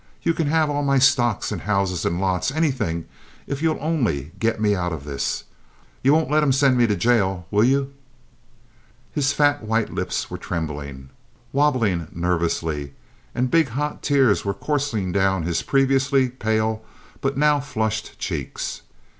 You can have all my stocks and houses and lots—anything—if you'll only get me out of this. You won't let 'em send me to jail, will you?" His fat, white lips were trembling—wabbling nervously—and big hot tears were coursing down his previously pale but now flushed cheeks.